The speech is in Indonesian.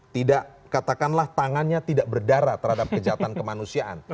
tidak katakanlah tangannya tidak berdarah terhadap kejahatan kemanusiaan